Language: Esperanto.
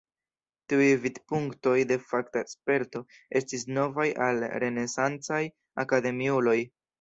Tiuj vidpunktoj de fakta sperto estis novaj al renesancaj akademiuloj.